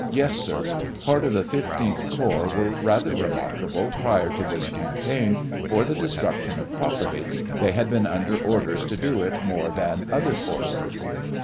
Yes, sir ; part of the 15th corps were rather re markable, prior to this campaign, for the destruction of property; they had been under orders to do it more than other foTces.